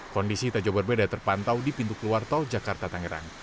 kondisi tak jauh berbeda terpantau di pintu keluar tol jakarta tangerang